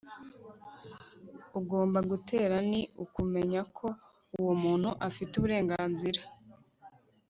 ugomba gutera, ni ukumenya ko uwo muntu afite uburenganzira